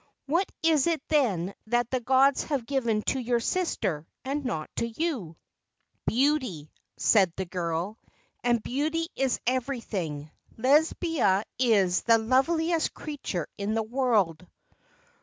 What is it then that the gods have given to your sister and not to you ?" "Beauty," said the girl, "and beauty is everything. Lesbia is the loveliest creature in the world.